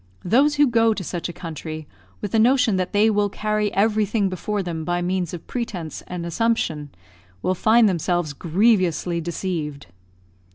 Those who go to such a country with the notion that they will carry everything before them by means of pretence and assumption, will find themselves grievously deceived.